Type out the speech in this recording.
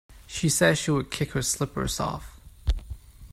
She said she would kick her slippers off.